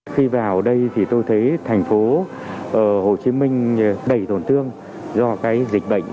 khi vào đây thì tôi thấy thành phố hồ chí minh đầy tổn thương do cái dịch bệnh